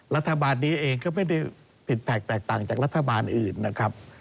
รัฐบาลนี้เองก็ไม่ได้ผิดแผกแตกต่างจากรัฐบาลอื่นนะครับ